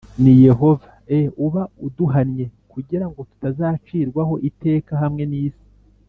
Ni yehova e uba uduhannye kugira ngo tutazacirwaho iteka hamwe n isi